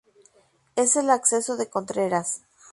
Es el Acceso de Contreras.